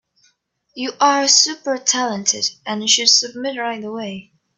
You are super talented and should submit right away.